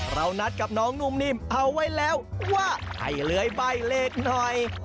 นัดกับน้องนุ่มนิ่มเอาไว้แล้วว่าให้เลื้อยใบเลขหน่อย